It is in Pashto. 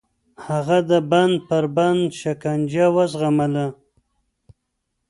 هغه د بند پر بند شکنجه وزغمله.